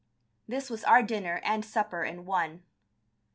This was our dinner and supper in one.